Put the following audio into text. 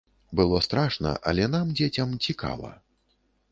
Было страшна, але нам, дзецям, цікава.